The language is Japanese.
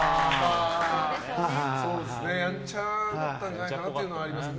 やんちゃだったんじゃないかなというのはありますね。